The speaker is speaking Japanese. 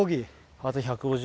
あと１５０。